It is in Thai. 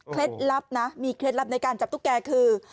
ลับนะมีเคล็ดลับในการจับตุ๊กแกคือ